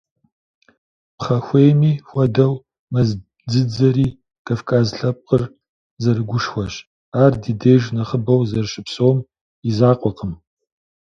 Пхъэхуейми хуэдэу, мэз дзыдзэри Кавказ лъэпкъыр зэрыгушхуэщ, ар ди деж нэхъыбэу зэрыщыпсэум и закъуэкъым.